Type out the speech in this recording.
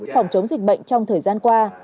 phòng chống dịch bệnh trong thời gian qua